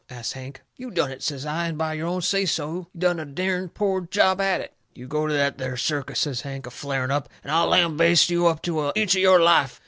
asts Hank. "You done it," says I, "and by your own say so you done a dern poor job at it." "You go to that there circus," says Hank, a flaring up, "and I'll lambaste you up to a inch of your life.